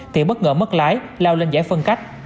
thì bất ngờ mất lái lao lên giải phân cách